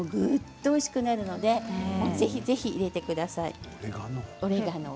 入るとおいしくなるのでぜひぜひ入れてください。